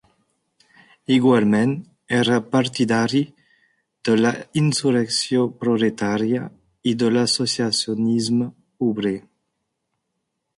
Igualment era partidari de la insurrecció proletària i de l'associacionisme obrer.